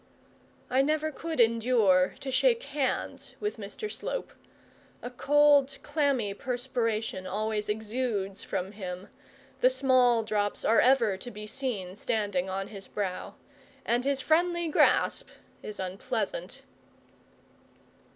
I never could endure to shake hands with Mr Slope. A cold, clammy perspiration always exudes from him, the small drops are ever to be seen standing on his brow, and his friendly grasp is unpleasant.